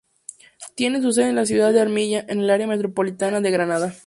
Tiene su sede en la ciudad de Armilla, en el Área metropolitana de Granada.